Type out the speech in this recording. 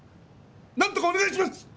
何とかお願いします！